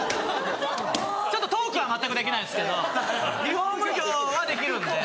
ちょっとトークは全くできないんですけどリフォーム業はできるんで。